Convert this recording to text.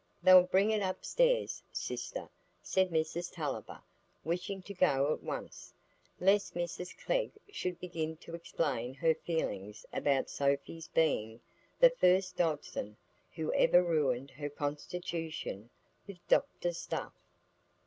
"They'll bring it upstairs, sister," said Mrs Tulliver, wishing to go at once, lest Mrs Glegg should begin to explain her feelings about Sophy's being the first Dodson who ever ruined her constitution with doctor's stuff.